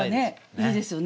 いいですよね